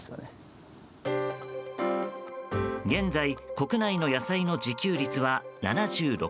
現在、国内の野菜の自給率は７６％。